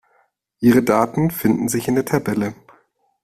Ihre Daten finden sich in der Tabelle.